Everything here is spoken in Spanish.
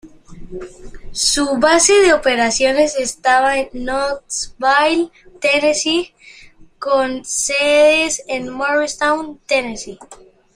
Su base de operaciones estaba en Knoxville, Tennessee, con sedes en Morristown, Tennessee.